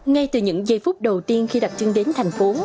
ngay từ những giây phút đầu tiên khi đặt chân đến thành phố